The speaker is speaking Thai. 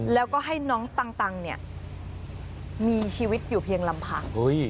แล้วก็ให้น้องตังมีชีวิตอยู่เพียงลำพัง